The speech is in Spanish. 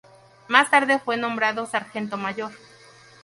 Más tarde fue nombrado sargento mayor.